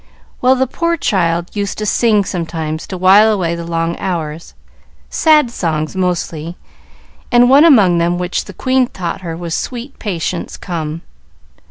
"Well, the poor child used to sing sometimes to while away the long hours sad songs mostly, and one among them which the queen taught her was 'Sweet Patience, Come.'